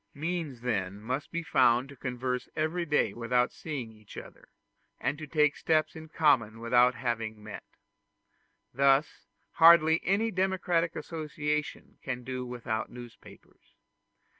Means then must be found to converse every day without seeing each other, and to take steps in common without having met. Thus hardly any democratic association can do without newspapers.